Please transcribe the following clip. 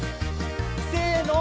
せの！